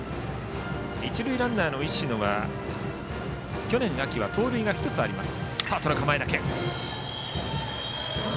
一塁ランナーの石野は去年秋は盗塁が１つあります。